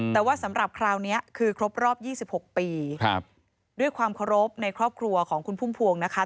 แต่ว่าสำหรับคราวนี้คือครบรอบ๒๖ปีด้วยความเคารพในครอบครัวของคุณพุ่มพวงนะคะ